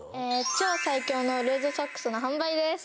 超最強のルーズソックスの販売です！